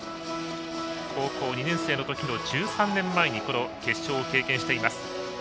高校２年生のときの１３年前にこの決勝を経験しています。